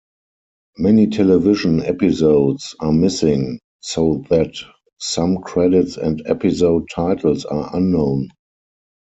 Many television episodes are missing so that some credits and episode titles are unknown.